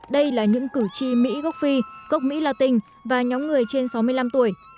đây là những cử tri mỹ gốc phi gốc mỹ latin và nhóm người trên sáu mươi năm tuổi